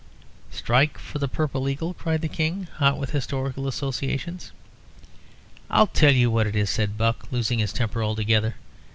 "Strike for the purple Eagle!" cried the King, hot with historical associations. "I'll tell you what it is," said Buck, losing his temper altogether.